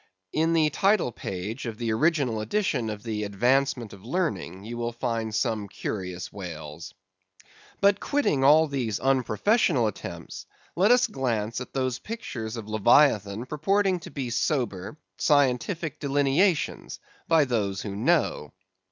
In the title page of the original edition of the "Advancement of Learning" you will find some curious whales. But quitting all these unprofessional attempts, let us glance at those pictures of leviathan purporting to be sober, scientific delineations, by those who know.